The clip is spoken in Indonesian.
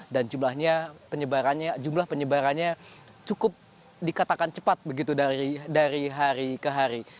dan jumlah penyebarannya cukup dikatakan cepat begitu dari hari ke hari